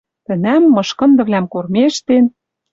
Тӹнӓм мышкындывлӓм кормежтен